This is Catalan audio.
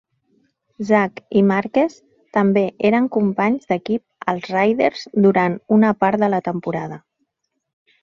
Zach i Marques també eren companys d'equip als Raiders durant una part de la temporada.